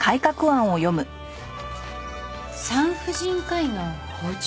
「産婦人科医の補充」。